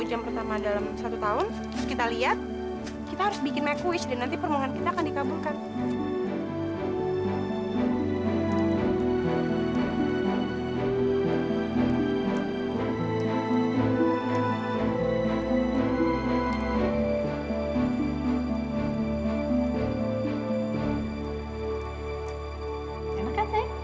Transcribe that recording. coba dulu satunya disini enak banget